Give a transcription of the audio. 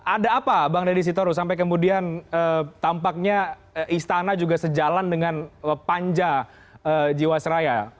ada apa bang deddy sitorus sampai kemudian tampaknya istana juga sejalan dengan panja jiwasraya